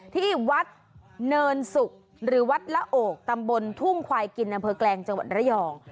ที่วัดเนินสุกหรือวัดละโอกตำบลทุ่งควายกินอำเภอแกลงจังหวัดระยอง